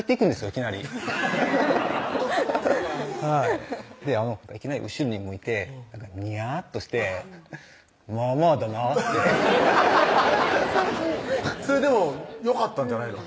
いきなりいきなり後ろに向いてニヤッとして「まあまあだな」ってそれでもよかったんじゃないの？